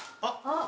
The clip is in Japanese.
あっ。